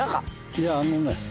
いやあのね